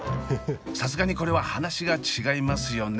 さすがにこれは話が違いますよね？